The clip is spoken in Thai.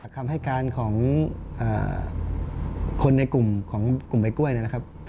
คำให้การของคนในกลุ่มของกลุ่มใบกล้วยนะครับ